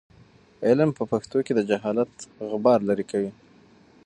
علم په پښتو کې د جهالت غبار لیرې کوي.